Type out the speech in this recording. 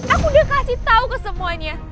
aku udah kasih tau ke semuanya